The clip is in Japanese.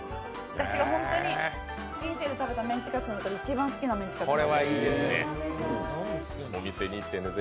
私が本当に人生で食べたメンチカツの中で一番好きなメンチカツ。